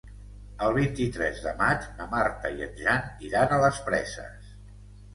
El vint-i-tres de maig na Marta i en Jan iran a les Preses.